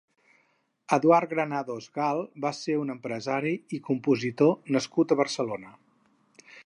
Eduard Granados Gal va ser un empresari i compositor nascut a Barcelona.